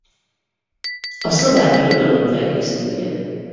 A szlovák irodalom terjesztője.